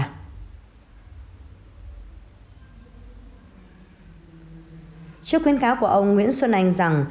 trước khuyến cáo của ông nguyễn xuân anh rằng